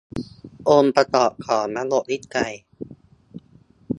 องค์ประกอบของระบบวิจัย